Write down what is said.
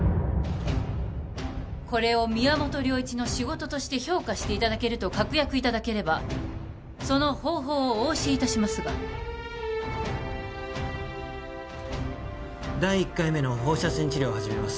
これを宮本良一の仕事として評価していただけると確約いただければその方法をお教えいたしますが第１回目の放射線治療を始めます